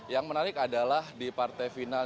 yang menarik adalah di partai final